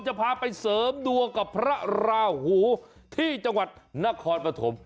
จะพาไปเสริมดวงกับพระราหูที่จังหวัดนครปฐม